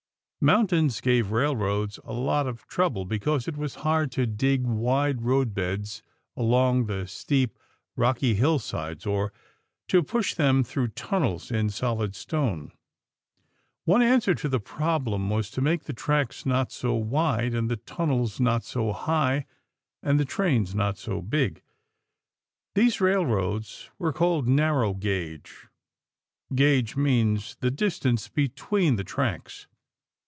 Mountains gave the railroads a lot of trouble, because it was hard to dig wide roadbeds along the steep, rocky hillsides or to push them through tunnels in solid stone. One answer to the problem was to make the tracks not so wide and the tunnels not so high and the trains not so big! These railroads were called narrow gauge. (Gauge means the distance between the tracks.)